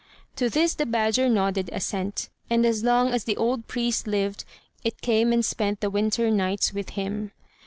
To this the badger nodded assent; and as long as the old priest lived, it came and spent the winter nights with him.